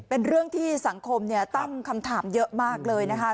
เป็นเรื่องที่สังคมตั้งคำถามเยอะมากเลยนะคะ